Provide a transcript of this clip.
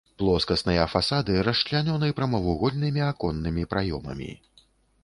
Плоскасныя фасады расчлянёны прамавугольнымі аконнымі праёмамі.